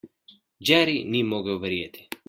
Jerry ni mogel verjeti.